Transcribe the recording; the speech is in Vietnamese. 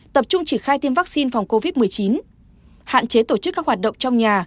tập trung triển khai tiêm vaccine phòng covid một mươi chín hạn chế tổ chức các hoạt động trong nhà